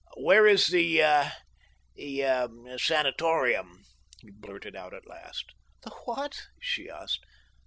"Where is the—er—ah—sanatorium?" he blurted out at last. "The what?" she asked.